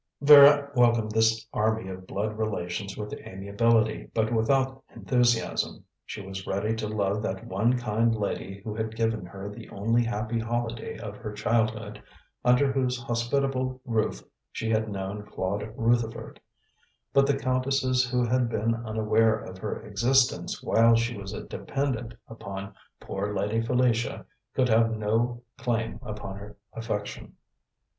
Vera welcomed this army of blood relations with amiability, but without enthusiasm. She was ready to love that one kind lady who had given her the only happy holiday of her childhood, under whose hospitable roof she had known Claude Rutherford; but the countesses who had been unaware of her existence while she was a dependant upon "poor Lady Felicia," could have no claim upon her affection.